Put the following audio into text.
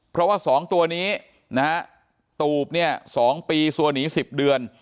เพราะว่า๒ตัวนี้นะฮะตูบเนี่ย๒ปีซัวหนี๑๐เดือน